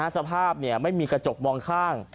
สภาพไม่มีกระจกมองข้าง